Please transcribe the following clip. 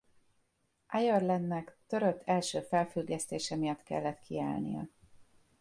Irelandnek törött első felfüggesztése miatt kellett kiállnia.